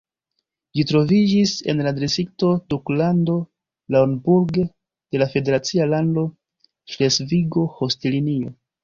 Ĝi troviĝis en la distrikto Duklando Lauenburg de la federacia lando Ŝlesvigo-Holstinio.